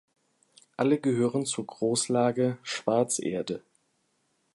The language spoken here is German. Alle gehören zur Großlage "Schwarzerde".